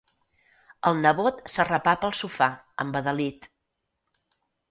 El nebot s'arrepapa al sofà, embadalit.